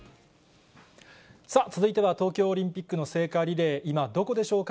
続いては東京オリンピックの聖火リレー、今どこでしょうか。